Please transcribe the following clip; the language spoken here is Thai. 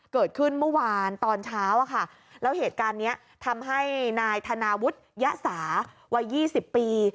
เกิดขึ้นเมื่อวานตอนเช้าอะค่ะแล้วเหตุการณ์นี้ทำให้นายธนาวุฒิยะสาวัยยี่สิบปี